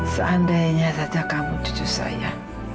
seandainya saja kamu cucu saya